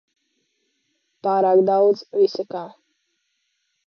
Pārāk daudz visa kā.